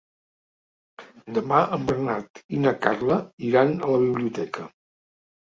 Demà en Bernat i na Carla iran a la biblioteca.